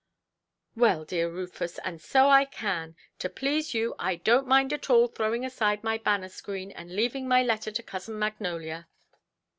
"Well, dear Rufus, and so I can. To please you, I donʼt mind at all throwing aside my banner–screen, and leaving my letter to cousin Magnolia".